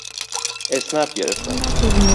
اسنپ گرفتم.